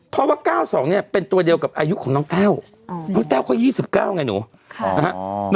เพราะว่า๙๒เนี่ยเป็นตัวเดียวกับอายุของน้องแต้วน้องแต้วเขา๒๙ไงหนูนะฮะ